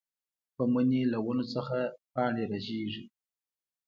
پۀ مني له ونو څخه پاڼې رژيږي